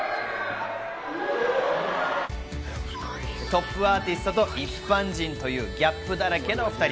トップアーティストと一般人というギャップだらけの２人。